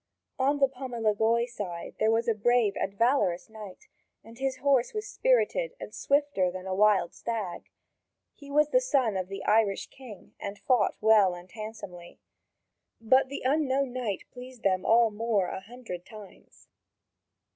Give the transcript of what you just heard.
On the Pomelegloi side there was a brave and valorous knight, and his horse was spirited and swifter than a wild stag. He was the son of the Irish king, and fought well and handsomely. But the unknown knight pleased them all more a hundred times.